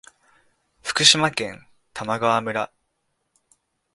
福島県玉川村